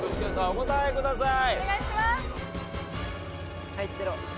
お答えください。